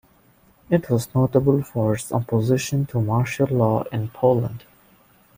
It was notable for its opposition to martial law in Poland.